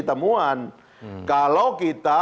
temuan kalau kita